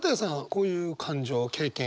こういう感情経験。